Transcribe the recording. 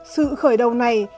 sự khởi đầu này